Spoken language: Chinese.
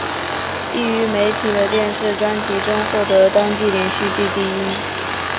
亦于媒体的电视专题中获得当季连续剧第一位。